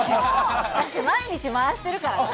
私、毎日回してるから。